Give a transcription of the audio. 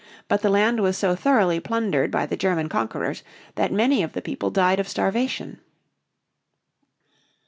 But the land was so thoroughly plundered by the German conquerors that many of the people died of starvation.